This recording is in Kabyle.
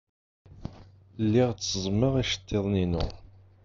Lliɣ tteẓẓmeɣ iceḍḍiḍen-inu.